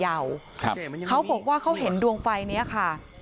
เขาบอกว่าเขาเห็นดวงไฟเนี้ยค่ะ